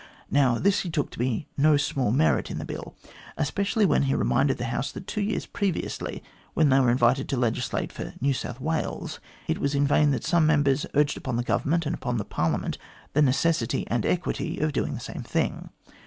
Now, this he took to be no small merit in the Bill, especially when he reminded the House that two years previously, when they were invited to legislate for New South Wales, it was in vain that some Members urged upon the Government and upon Parliament the necessity and the equity of doing the same thing.